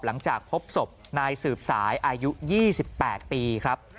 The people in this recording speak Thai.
หลังจากพบศพนายสืบสายอายุ๒๘ปีครับ